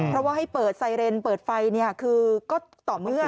เพราะว่าให้เปิดไซเรนเปิดไฟคือก็ต่อเมื่อ